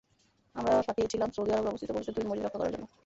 আমরা পাঠিয়েছিলাম সৌদি আরবে অবস্থিত পবিত্র দুই মসজিদ রক্ষা করার জন্য।